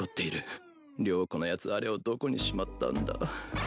了子のやつあれをどこにしまったんだ